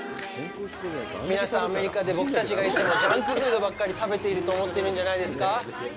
皆さんアメリカで僕たちがいつもジャンクフードばっかり食べてると思っていらっしゃるんじゃないですか？